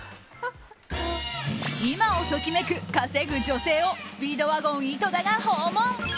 今を時めく稼ぐ女性をスピードワゴン井戸田が訪問。